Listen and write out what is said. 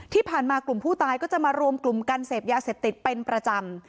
ที่ผ่านมากลุ่มผู้ตายก็จะมารวมกลุ่มกันเสพยาเสพติดเป็นประจำ